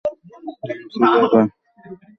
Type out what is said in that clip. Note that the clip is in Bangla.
লাঞ্চ হবে এবার?